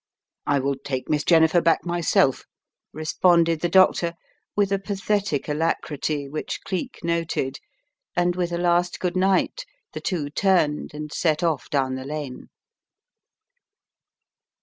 "I will take Miss Jennifer back, myself," responded the doctor with a pathetic alacrity which Cleek noted, and with a last good night the two turned and set off down the lane.